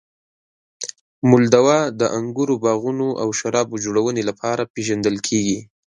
مولدوا د انګورو باغونو او شرابو جوړونې لپاره پېژندل کیږي.